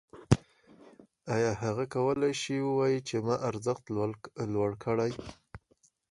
آیا هغه کولی شي ووايي چې ما ارزښت لوړ کړی